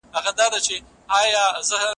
د ادب اسمان کي ستوري ځلوي